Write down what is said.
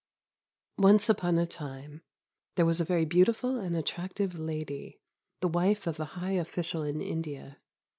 Once upon a time there was a very beautiful and attractive lady, the wife of a high official in India.